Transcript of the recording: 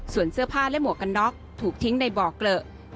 ส่วนเสื้อผ้าและหมวกกันน็อกถูกทิ้งในบ่อเกลอะ